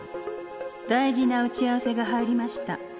「大事な打ち合わせが入りました」